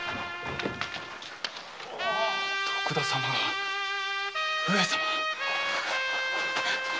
徳田様が上様。